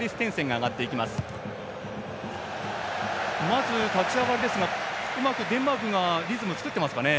まず、立ち上がりですがデンマークがうまくリズムを作ってますかね。